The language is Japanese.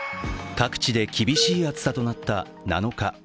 各地で厳しい暑さとなった７日。